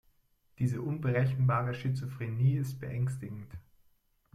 Diese unberechenbare Schizophrenie ist beängstigend.